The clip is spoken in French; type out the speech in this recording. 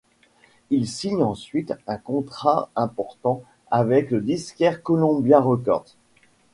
Il signe ensuite un contrat important avec le disquaire Columbia Records.